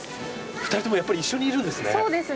２人とも一緒にいるんですね。